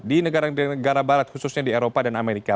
di negara negara barat khususnya di eropa dan amerika